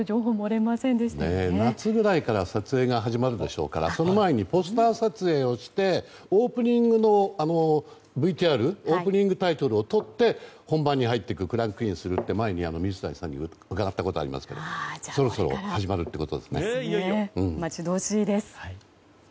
夏ぐらいから撮影始まるでしょうからその前にポスター撮影をしてオープニングタイトルを撮って本番に入ってクランクインするって前に水谷さんに伺ったことありますけどそろそろ始まるということですね。